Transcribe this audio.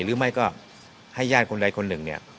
หรือไม่ก็ให้ญาติคนใดคนหนึ่งเนี่ย